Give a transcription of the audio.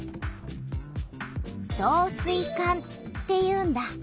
「導水管」っていうんだ。